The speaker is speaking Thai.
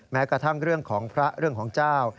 แม้กระทั่งเรื่องของพระเรื่องของเจ้า